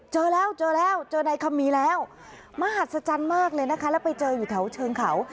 เจอแล้วเจอในคามีแล้วมาหัดสัจจันมากเลยนะคะแล้วไปเจออยู่แถวเชิงเขา